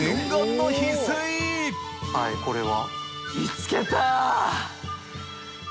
はいこれは。